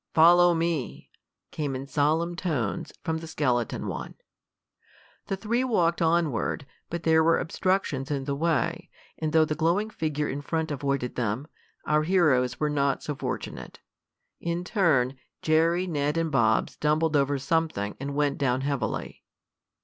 "Follow me!" came in solemn tones from the skeleton one. The three walked onward, but there were obstructions in the way, and though the glowing figure in front avoided them, our heroes were not so fortunate. In turn Jerry, Ned and Bob stumbled over something and went down heavily.